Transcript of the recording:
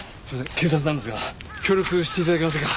警察なんですが協力して頂けませんか？